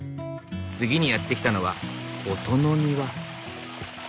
次にやって来たのは音の庭。